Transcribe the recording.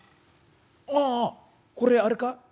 ああっこれあれか？